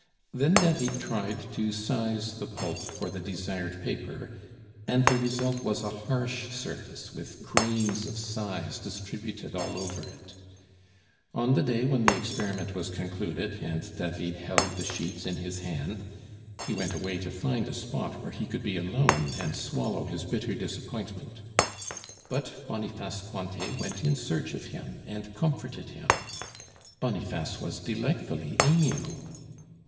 Then David tried to size the pulp for the desired paper, and the result was a harsh surface with grains of size distributed all over it. On the day when the experiment was concluded and David held the sheets in his hand, he went away to find a spot where he could be alone and swallow his bitter disappointment. But Boniface Cointet went in search of him and comforted him. Boniface was delightfully amiable.